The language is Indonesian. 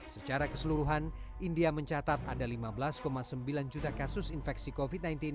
secara keseluruhan india mencatat ada lima belas sembilan juta kasus infeksi covid sembilan belas